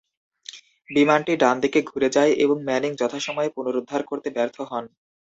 বিমানটি ডান দিকে ঘুরে যায় এবং ম্যানিং যথাসময়ে পুনরুদ্ধার করতে ব্যর্থ হন।